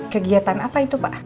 kegiatan apa itu pak